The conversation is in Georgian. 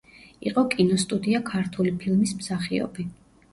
იყო კინოსტუდია „ქართული ფილმის“ მსახიობი.